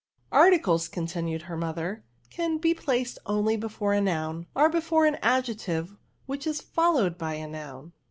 " Articles," continued her mother, " can be placed only before a noun, or before an adjective which is followed by a noun.